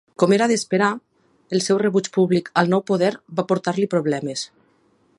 Com era d'esperar, el seu rebuig públic al nou poder va portar-li problemes.